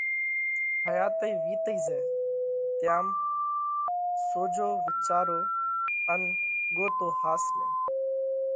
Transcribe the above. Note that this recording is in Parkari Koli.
حياتئِي وِيتئِي زائه، تيام سوجو وِيچارو ان ڳوتو ۿاس نئہ!